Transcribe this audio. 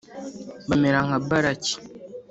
bamera nka baraki